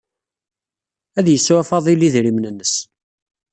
Ad yesɛu Faḍil idrimen-nnes.